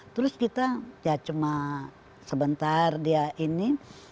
terus kita ya cuma sebentar dia ini